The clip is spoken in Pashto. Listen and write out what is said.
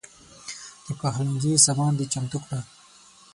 د پخلنځي سامان دې چمتو کړه.